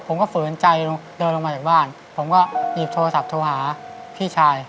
ฝืนใจเดินลงมาจากบ้านผมก็หยิบโทรศัพท์โทรหาพี่ชาย